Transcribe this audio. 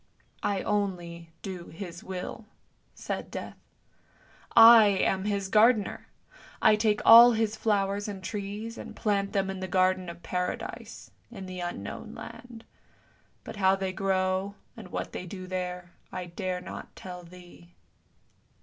" I only do His will," said Death. "I am his gardener! I s 274 ANDERSEN'S FAIRY TALES take all His flowers and trees and plant them in the Garden of Paradise, in the Unknown Land; but how they grow, and what they do there, I dare not tell thee!